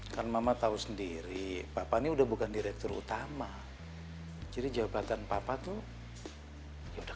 kan mama tahu sendiri bapak ini udah bukan direktur utama jadi jabatan papa tuh udah